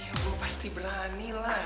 ya gua pasti berani lah